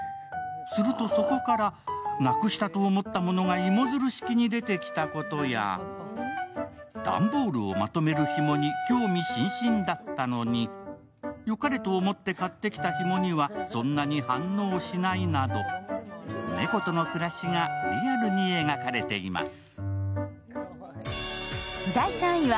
するとそこから、なくしたと思ったものが芋づる式に出てきたことや、段ボールをまとめるひもに興味津々だったのによかれと思って買ってきたひもには、そんなに反応しないなど猫との暮らしがリアルに描かれています。